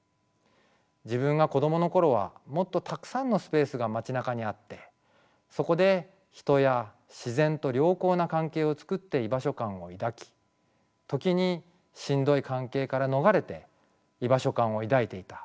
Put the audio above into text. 自分が子供のころはもっとたくさんのスペースが町なかにあってそこで人や自然と良好な関係をつくって居場所感を抱き時にしんどい関係から逃れて居場所感を抱いていた。